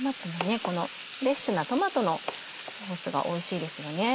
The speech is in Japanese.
フレッシュなトマトのソースがおいしいですよね。